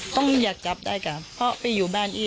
ต้องอยากจับได้ก่อนเพราะพี่อยู่บ้านอี